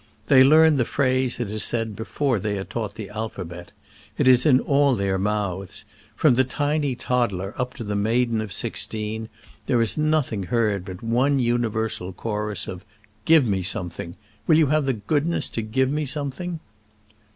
They learn the phrase, it is said, before they are taught the alphabet. It is in all their mouths. From the tiny toddler up to the maiden of sixteen, there is nothing heard but one universal chorus of *' Give me some thing: will you have the goodness to give me something